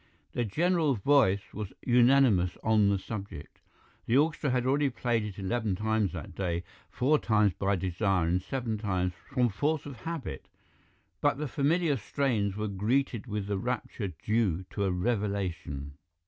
The general voice was unanimous on the subject. The orchestra had already played it eleven times that day, four times by desire and seven times from force of habit, but the familiar strains were greeted with the rapture due to a revelation.